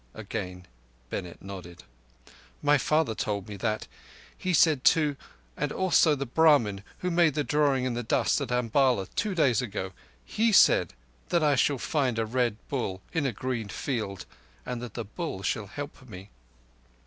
(again Bennett nodded). "My father told me that. He said, too, and also the Brahmin who made the drawing in the dust at Umballa two days ago, he said, that I shall find a Red Bull on a green field and that the Bull shall help me."